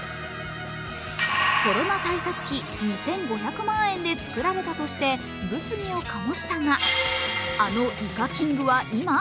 コロナ対策費２５００万円でつくられたとして物議を醸したが、あのイカキングは今？